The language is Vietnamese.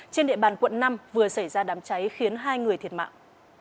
trên địa bàn quận năm vừa xảy ra đám cháy khiến hai người thiệt mạng